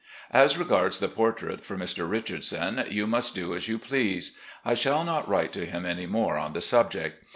' 'As regards the portrait for Mr. Richardson, you must do as you please. I shall not write to him any more on the subject.